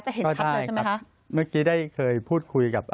จะเห็นชัดเลยใช่ไหมคะก็ได้ครับเมื่อกี้ได้เคยพูดคุยกับ